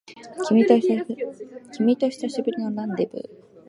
君と久しぶりのランデブー